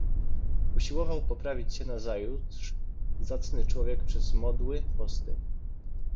"Usiłował poprawić się nazajutrz zacny człowiek przez modły, posty."